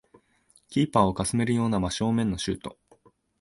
キーパーをかすめるような真正面のシュート